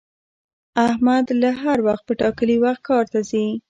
احمد هر وخت په ټاکلي وخت کار ته ځي